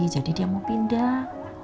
jadi dia mau pindah